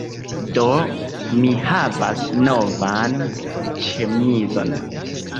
Do, mi havas novan ĉemizon